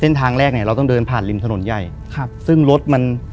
ทางแรกเนี่ยเราต้องเดินผ่านริมถนนใหญ่ครับซึ่งรถมัน